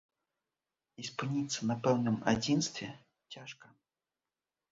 І спыніцца на пэўным адзінстве цяжка.